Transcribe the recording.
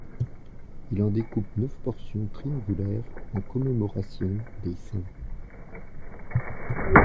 Il en découpe neuf portions triangulaires en commémoration des saints.